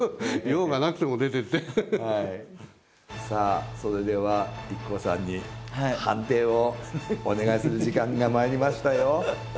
さあそれではＩＫＫＯさんに判定をお願いする時間がまいりましたよ。